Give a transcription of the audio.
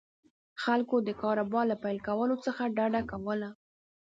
خلکو د کاروبار له پیل کولو څخه ډډه کوله.